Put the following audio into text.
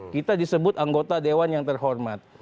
kita disebut anggota dewan yang terhormat